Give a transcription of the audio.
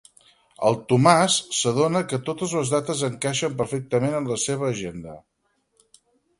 El Tomàs s'adona que totes les dates encaixen perfectament en la seva agenda.